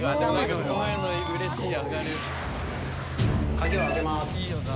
鍵を開けます。